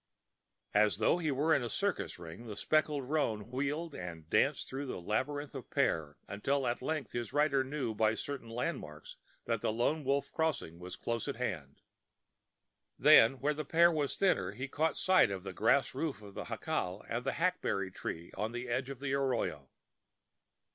As though he were in a circus ring the speckled roan wheeled and danced through the labyrinth of pear until at length his rider knew by certain landmarks that the Lone Wolf Crossing was close at hand. Then, where the pear was thinner, he caught sight of the grass roof of the jacal and the hackberry tree on the edge of the arroyo.